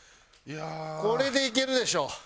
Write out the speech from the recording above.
これでいけるでしょ。